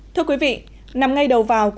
thưa quý vị nằm ngay đầu vào